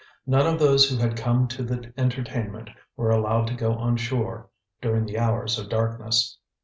None of those who had come to the entertainment were allowed to go on shore during the hours of darkness.